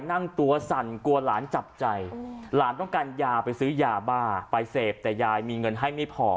นั่งตัวสั่นกลัวหลานจับใจหลานต้องการยาไปซื้อยาบ้าไปเสพแต่ยายมีเงินให้ไม่พอ